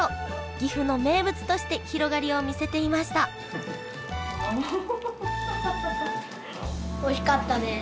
岐阜の名物として広がりを見せていましたおいしかったです。